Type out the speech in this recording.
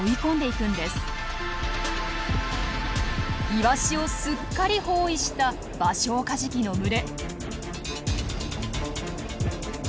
イワシをすっかり包囲したバショウカジキの群れ。